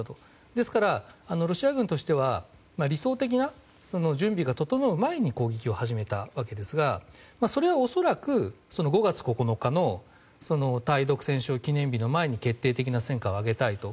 ですから、ロシア軍としては理想的な準備が整う前に攻撃を始めたわけですがそれは恐らく、５月９日の対独戦勝記念日の前に決定的な戦果を挙げたいと。